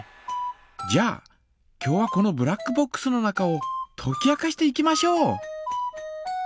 じゃあ今日はこのブラックボックスの中をとき明かしていきましょう。